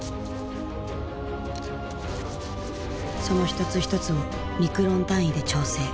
その一つ一つをミクロン単位で調整。